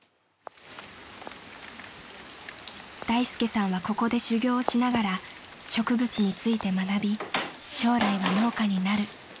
［大介さんはここで修業をしながら植物について学び将来は農家になる］